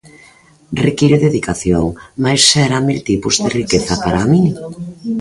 Require dedicación mais xera mil tipos de riqueza para min.